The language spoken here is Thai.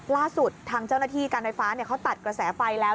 ล่าสุดทางเจ้าหน้าที่การไฟฟ้าเขาตัดกระแสไฟแล้ว